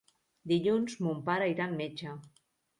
Dilluns mon pare irà al metge.